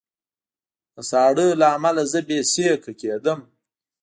د ساړه له امله زه بې سېکه کېدم